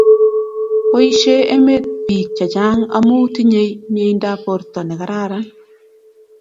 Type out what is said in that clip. Boishee emet bik che chang amu tinyei meindap borto nekararan